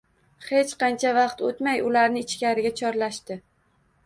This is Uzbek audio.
Hech qancha vaqt o`tmay ularni ichkariga chorlashdi